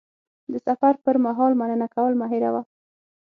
د سفر پر مهال مننه کول مه هېروه.